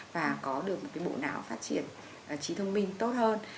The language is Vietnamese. và có được cái bộ não phát triển trí thông minh tốt hơn